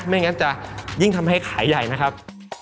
ไม่งั้นจะยิ่งทำให้ขายใหญ่นะครับ